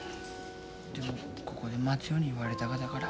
でもここで待つように言われたがだから。